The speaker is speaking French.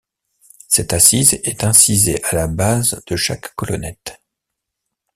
Cette assise est incisée à la base de chaque colonnette.